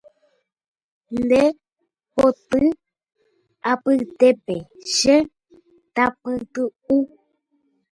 Nde poty apytépe che tapytu’u